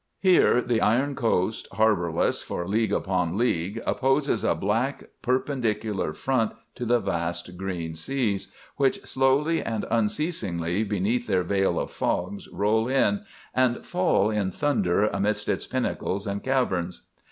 "Here the iron coast, harborless for league upon league, opposes a black perpendicular front to the vast green seas, which slowly and unceasingly beneath their veil of fogs roll in, and fall in thunder amidst its pinnacles and caverns.